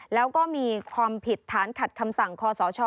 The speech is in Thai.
แล้วก็มีความผิดฐานขัดคำสั่งคอสช